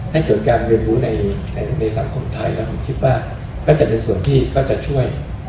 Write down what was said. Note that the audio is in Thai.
ให้เกิดการเรียนรู้ในสังคมไทยแล้วผมคิดว่าน่าจะเป็นส่วนที่ก็จะช่วย